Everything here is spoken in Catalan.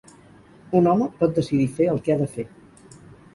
Un home pot decidir fer el que ha de fer.